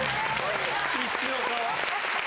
必死の顔。